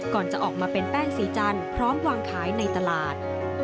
ก่อนจะออกมาเป็นแป้งสีจันทร์พร้อมวางขายในตลาด